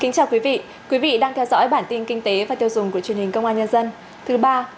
chào mừng quý vị đến với bản tin kinh tế và tiêu dùng của truyền hình công an nhân dân thứ ba